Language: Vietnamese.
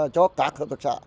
cho các hợp tác xã